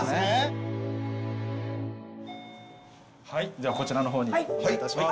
じゃあこちらの方にお願いいたします。